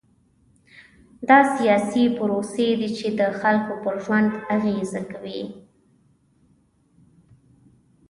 دا سیاسي پروسې دي چې د خلکو پر ژوند اغېز کوي.